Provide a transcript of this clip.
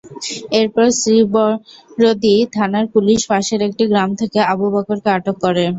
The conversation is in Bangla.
এরপর শ্রীবরদী থানার পুলিশ পাশের একটি গ্রাম থেকে আবু বকরকে আটক করে।